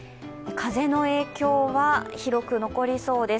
風の影響は広く残りそうです。